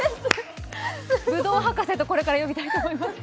ブドウ博士とこれから呼びたいと思います。